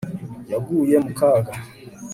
Yaguye mu kaga